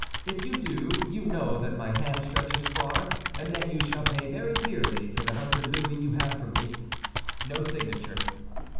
If you do, you know that my hand stretches far, and that you shall pay very dearly for the hundred louis you have from me." No signature.